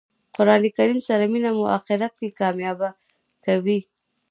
قران کریم سره مینه مو آخرت کښي کامیابه کوي.